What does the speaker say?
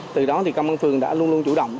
từ đó thì công an phường đã luôn luôn chủ động